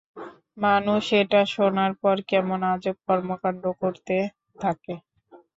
মানুষ এটা শোনার পর, কেমন আজব কর্মকান্ড করতে থাকে।